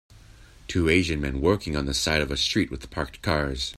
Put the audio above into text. Two asian men working on the side of a street with parked cars.